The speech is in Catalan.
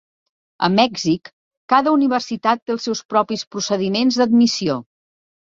A Mèxic, cada universitat té els seus propis procediments d'admissió.